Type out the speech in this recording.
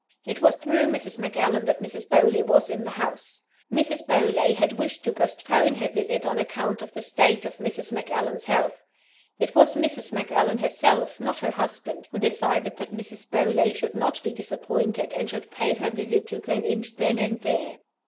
It was through Mrs. Macallan that Mrs. Beauly was in the house. Mrs. Beauly had wished to postpone her visit on account of the state of Mrs. Macallan's health. It was Mrs. Macallan herself not her husband who decided that Mrs. Beauly should not be disappointed, and should pay her visit to Gleninch then and there.